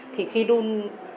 thì khi đun